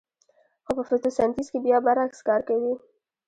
خو په فتوسنتیز کې بیا برعکس کار کوي